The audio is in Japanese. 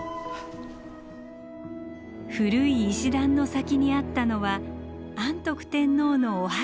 古い石段の先にあったのは安徳天皇のお墓と伝わる場所。